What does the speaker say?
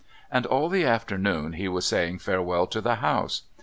And, all the afternoon, he was saying farewell to the house.